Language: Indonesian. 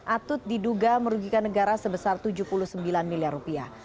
atut diduga merugikan negara sebesar tujuh puluh sembilan miliar rupiah